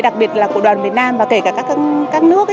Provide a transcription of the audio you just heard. đặc biệt là của đoàn việt nam và kể cả các nước